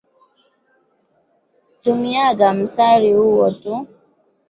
Tumiaga msari uo tu.